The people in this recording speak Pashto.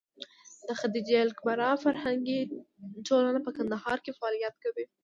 د خدېجه الکبرا فرهنګي ټولنه په کندهار کې فعالیت کوي.